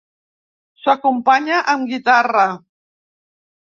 S'acompanya amb guitarra.